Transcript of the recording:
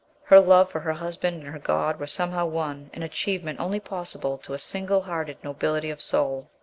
Her love for her husband and her God were somehow one, an achievement only possible to a single hearted nobility of soul.